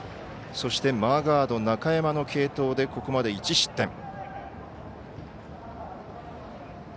そしてマーガード、中山の継投でここまで１失点。